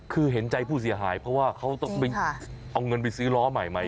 คือเห็นใจผู้เสียหายเพราะว่าเขาต้องไปเอาเงินไปซื้อล้อใหม่